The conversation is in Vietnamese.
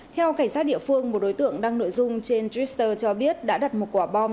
theo cảnh sát địa phương một đối tượng đăng nội dung trên twitter cho biết đã đặt một quả bom